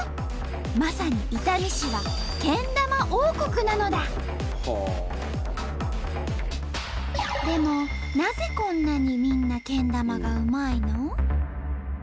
まさに伊丹市はでもなぜこんなにみんなけん玉がうまいの？